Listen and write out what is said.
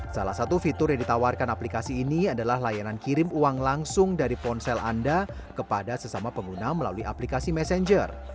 salah satu fitur yang ditawarkan aplikasi ini adalah layanan kirim uang langsung dari ponsel anda kepada sesama pengguna melalui aplikasi messenger